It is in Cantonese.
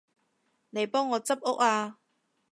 嚟幫我執屋吖